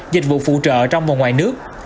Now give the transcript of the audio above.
dịch vụ phụ trợ trong và ngoài nước